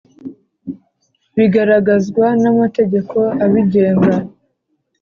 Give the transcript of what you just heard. bigaragazwa n amategeko abigenga